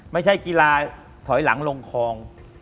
ไม่ใช่กีฬาถอยหลังลงคลอง